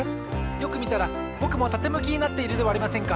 よくみたらぼくもたてむきになっているではありませんか！